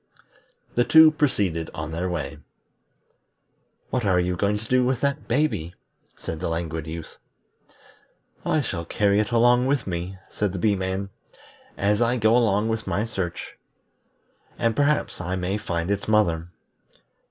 The two proceeded on their way. "What are you going to do with that baby?" said the Languid Youth. "I shall carry it along with me," said the Bee man, "as I go on with my search, and perhaps I may find its mother.